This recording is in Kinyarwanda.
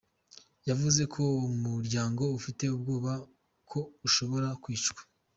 Yavuze ko umuryango ufite ubwoba ko ashobora kwicwa.